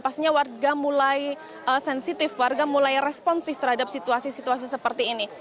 pastinya warga mulai sensitif warga mulai responsif terhadap situasi situasi seperti ini